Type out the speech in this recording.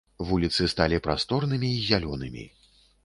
Вуліцы сталі прасторнымі й зялёнымі.